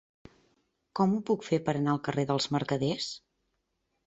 Com ho puc fer per anar al carrer de Mercaders?